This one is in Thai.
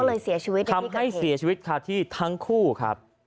ก็เลยเสียชีวิตในที่กระเทศทำให้เสียชีวิตทั้งคู่ครับ